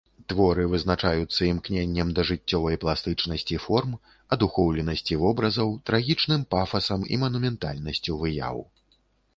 Творы вызначаюцца імкненнем да жыццёвай пластычнасці форм, адухоўленасці вобразаў, трагічным пафасам і манументальнасцю выяў.